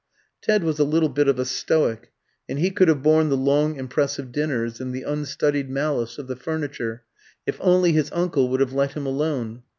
Ted was a little bit of a Stoic, and he could have borne the long impressive dinners and the unstudied malice of the furniture, if only his uncle would have let him alone.